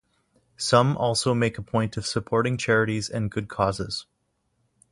Some also make a point of supporting charities and good causes.